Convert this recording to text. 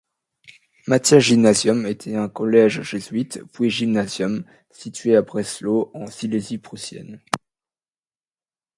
Matthias-Gymnasium était un collège jésuite, puis Gymnasium, situé à Breslau en Silésie prussienne.